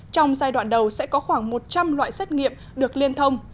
trong giai đoạn đầu sẽ có khoảng một trăm linh loại xét nghiệm được liên thông